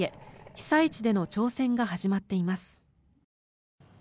被災地での挑戦が始まっています。